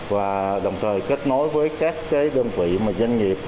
và đồng thời kết nối với các cái đơn vị mà doanh nghiệp